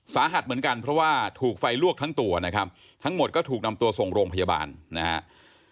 สาหัสเหมือนกันเพราะว่าถูกไฟลวกทั้งตัวนะครับทั้งหมดก็ถูกนำตัวส่งโรงพยาบาลนะครับ